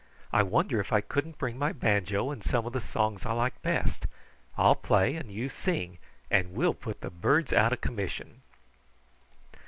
I wonder if I couldn't bring my banjo and some of the songs I like best. I'll play and you sing, and we'll put the birds out of commission."